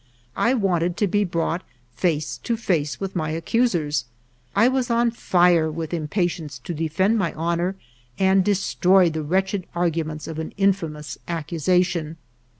I wanted to be brought face to face with my accusers. I was on fire with impatience to defend my honor and de stroy the wretched arguments of an infamous accusation.